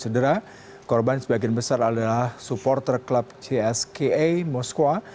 dan sebagian besar adalah supporter klub cska moskwa